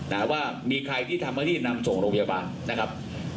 นะว่ามีใครที่ทำก็รีบนำส่งโรงพยาบาลนะครับ